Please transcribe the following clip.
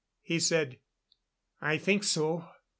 He said: "I think so.